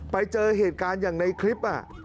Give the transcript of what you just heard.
ไปเจอเหตุการณ์อย่างในคลิป